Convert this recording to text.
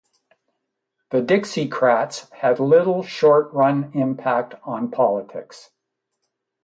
The Dixiecrats had little short-run impact on politics.